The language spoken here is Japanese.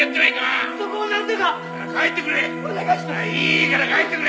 いいから帰ってくれ！